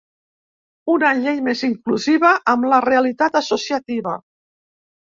Una llei més inclusiva amb la realitat associativa.